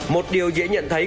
một điều dễ nhận thấy